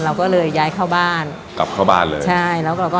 เราก็เลยย้ายเข้าบ้านกลับเข้าบ้านเลยใช่แล้วเราก็